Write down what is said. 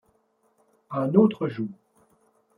Un autre jour :